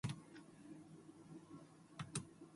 玉里麵配咩餸最好食？